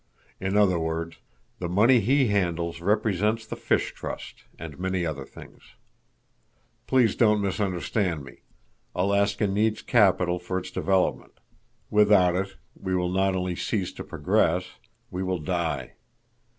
In other words, the money he handles represents the fish trust—and many other things. Please don't misunderstand me. Alaska needs capital for its development. Without it we will not only cease to progress; we will die.